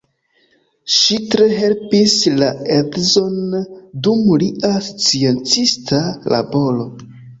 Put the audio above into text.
Ŝi tre helpis la edzon dum lia sciencista laboro.